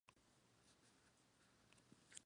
El Secretario del Parlamento, actúa como asesor.